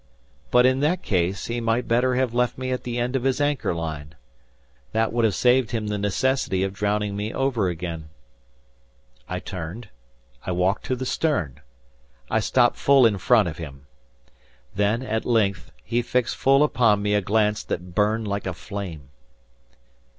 But in that case, he might better have left me at the end of his anchor line. That would have saved him the necessity of drowning me over again. I turned, I walked to the stern, I stopped full in front of him. Then, at length, he fixed full upon me a glance that burned like a flame.